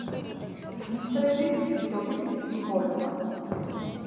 ისრები მშვიდობის სიმბოლოა.